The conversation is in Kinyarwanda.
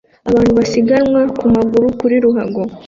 Abantu basiganwa ku maguru kuri ruhago